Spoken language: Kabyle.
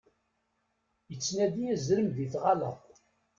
Ittnadi azrem di tɣalaṭ.